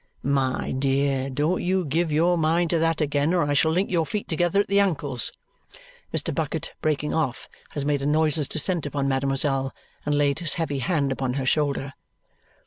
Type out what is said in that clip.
My dear, don't you give your mind to that again, or I shall link your feet together at the ankles." Mr. Bucket, breaking off, has made a noiseless descent upon mademoiselle and laid his heavy hand upon her shoulder.